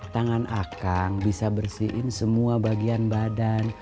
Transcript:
tangan akang bisa bersihin semua bagian badan